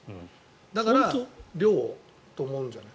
だから量って思うんじゃない？